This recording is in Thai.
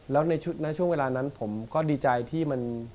แล้วในช่วงเวลานั้นผมก็ดีใจที่มัน